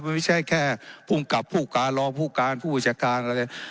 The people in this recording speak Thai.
มันไม่ใช่แค่ภูมิกับผู้การรอบผู้การผู้วิชาการอะไรแหละ